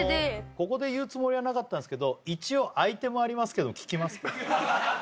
ここで言うつもりはなかったんすけど一応アイテムありますけど聞きますか？